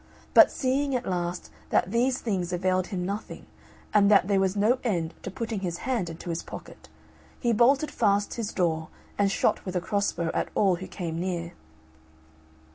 But seeing, at last, that these things availed him nothing; and that there was no end to putting his hand into his pocket, he bolted fast his door, and shot with a cross bow at all who came near.